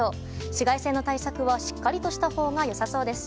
紫外線の対策は、しっかりとしたほうがよさそうです。